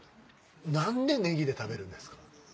何でネギで食べるんですか？